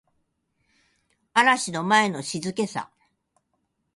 嵐の前の静けさ